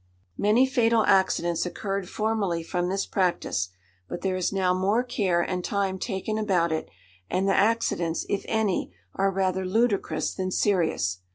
Many fatal accidents occurred formerly from this practice; but there is now more care and time taken about it, and the accidents, if any, are rather ludicrous than serious.